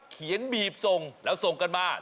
เขียนบีบส่งแล้วส่งกันมา